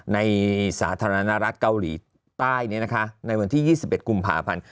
ในสาธารณะรัฐเกาหลีใต้นี่นะคะในวันที่๒๑กุมภาพันธ์